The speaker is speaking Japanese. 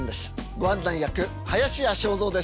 ご案内役林家正蔵です。